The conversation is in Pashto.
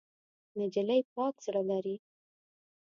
نجلۍ پاک زړه لري.